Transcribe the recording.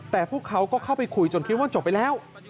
แต่พวกเขาก็เข้าไปคุยจนคิดว่าจบไปแล้ว